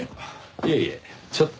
いえいえちょっと。